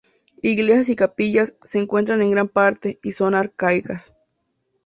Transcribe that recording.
Iglesias y capillas: Se encuentran en gran parte y son arcaicas.